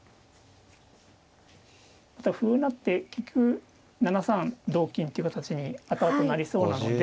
また歩成って結局７三同金って形に後々なりそうなので。